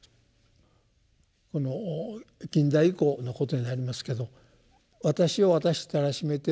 この近代以降のことになりますけど私を私たらしめてる